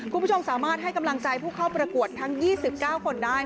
คุณผู้ชมสามารถให้กำลังใจผู้เข้าประกวดทั้ง๒๙คนได้